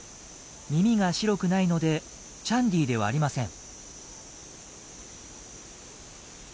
耳が白くないのでチャンディーではありません。